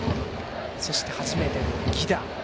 そして、初めての犠打。